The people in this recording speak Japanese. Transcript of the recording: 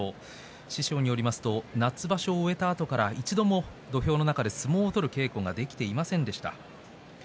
師匠によりますと夏場所を終えたあとから一度も土俵の中で相撲を取る稽古ができていませんでした。